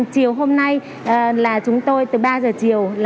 chiều hôm nay là chúng tôi từ ba giờ chiều